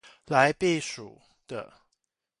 來避暑的